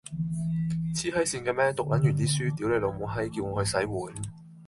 癡閪線嘅咩，讀撚完啲書，屌你老母閪，叫我去洗碗